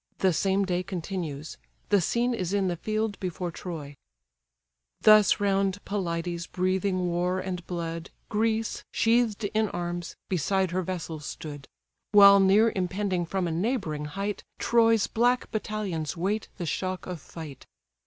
The same day continues. The scene is in the field before Troy. Thus round Pelides breathing war and blood Greece, sheathed in arms, beside her vessels stood; While near impending from a neighbouring height, Troy's black battalions wait the shock of fight.